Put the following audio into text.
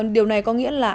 điều này có nghĩa là